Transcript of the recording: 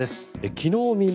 昨日未明